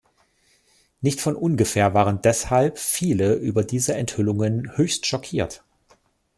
Nicht von ungefähr waren deshalb viele über diese Enthüllungen höchst schockiert.